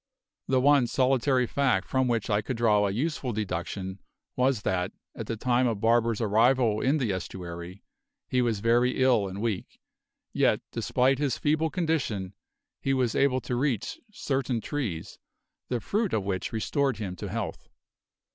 The one solitary fact from which I could draw a useful deduction was that, at the time of Barber's arrival in the estuary, he was very ill and weak, yet despite his feeble condition he was able to reach certain trees, the fruit of which restored him to health.